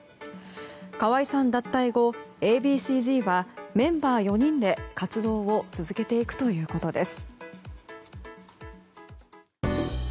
河合さん脱退後Ａ．Ｂ．Ｃ‐Ｚはメンバー４人で活動を続けていくということです。